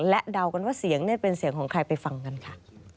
และเดากันว่าเสียงเป็นเสียงของใครไปฟังกันค่ะ